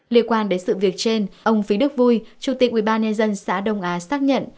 liên quan đến sự việc trên ông phí đức vui chủ tịch ubnd xã đông á xác nhận